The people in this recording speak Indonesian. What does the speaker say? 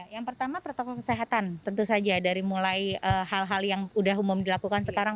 yang pertama protokol kesehatan tentu saja dari mulai hal hal yang udah umum dilakukan sekarang